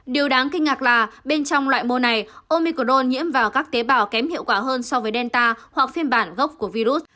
điều đáng kinh ngạc là bên trong loại mô này omicron nhiễm vào các tế bào kém hiệu quả hơn so với delta hoặc phiên bản gốc của virus